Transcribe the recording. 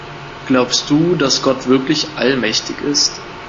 Glaubst du, dass Gott wirklich allmächtig ist?